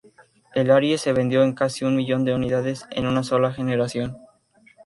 El Aries se vendió en casi un millón de unidades en una sola generación.